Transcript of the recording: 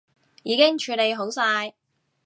已經處理好晒